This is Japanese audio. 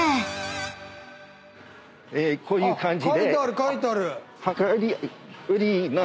こういう感じで。